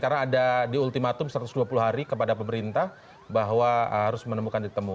ada di ultimatum satu ratus dua puluh hari kepada pemerintah bahwa harus menemukan ditemu